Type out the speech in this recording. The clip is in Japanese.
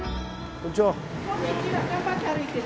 こんにちは。